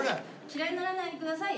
嫌いにならないでください！